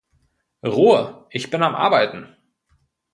Ruhe, ich bin am Arbeiten!